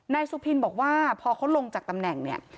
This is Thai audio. นายสุพินบอกว่าพอเขาลงจากตำแหน่งเนี่ย